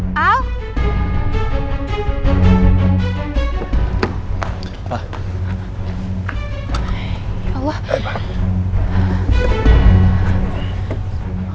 nih langsung aja deh